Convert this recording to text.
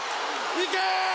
行け！